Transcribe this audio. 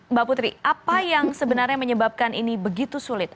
mbak putri apa yang sebenarnya menyebabkan ini begitu sulit